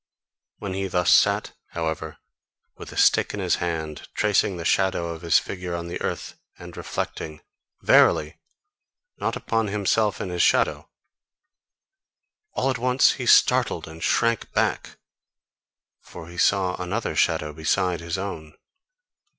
When he thus sat, however, with a stick in his hand, tracing the shadow of his figure on the earth, and reflecting verily! not upon himself and his shadow, all at once he startled and shrank back: for he saw another shadow beside his own.